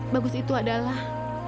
bagus itu adalah